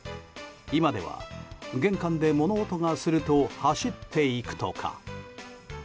今では、玄関で物音がすると走っていくとか。